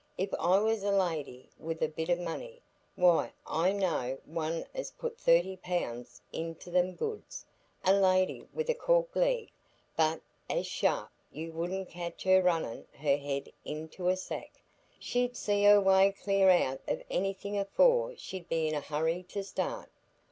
If I was a lady wi' a bit o' money!—why, I know one as put thirty pounds into them goods,—a lady wi' a cork leg, but as sharp,—you wouldn't catch her runnin' her head into a sack; she'd see her way clear out o' anything afore she'd be in a hurry to start.